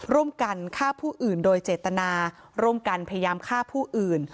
ร่วมกันฆ่าผู้อื่นโดยเจตนาร่วมกันพยายามฆ่าผู้อื่น